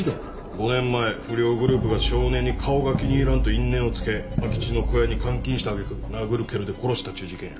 ５年前不良グループが少年に顔が気に入らんと因縁をつけ空き地の小屋に監禁した揚げ句殴る蹴るで殺したっちゅう事件や。